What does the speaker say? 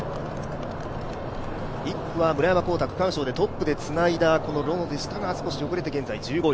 １区は村山紘太、区間賞でトップでつなぎましたが少し送れて現在１５位。